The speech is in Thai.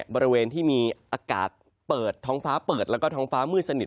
บริเวณที่มีอากาศเปิดท้องฟ้าเปิดแล้วก็ท้องฟ้ามืดสนิท